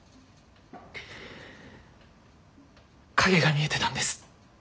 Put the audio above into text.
影が見えてたんです